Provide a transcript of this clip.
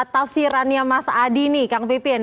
tafsirannya mas adi nih kang pipin